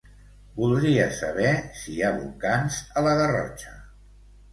Voldria saber si hi ha volcans a la Garrotxa.